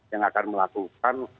yang akan melakukan